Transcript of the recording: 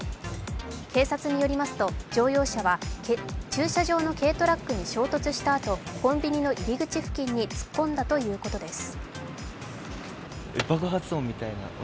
警察によりますと、乗用車は駐車場の軽トラックに衝突したあと、コンビニの入り口付近に突っ込んだということです。